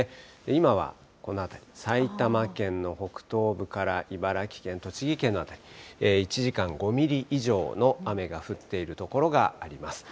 今はこの辺り、埼玉県の北東部から茨城県、栃木県の辺り、１時間５ミリ以上の雨が降っている所があります。